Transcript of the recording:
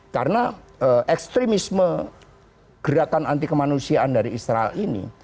karena ekstremisme gerakan anti kemanusiaan dari israel ini